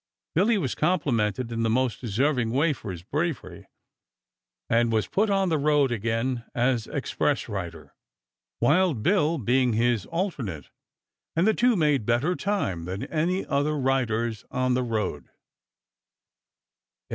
Billy was complimented in the most deserving way for his bravery, and was put on the road again as express rider, Wild Bill being his alternate; and the two made better time than any other riders on the road.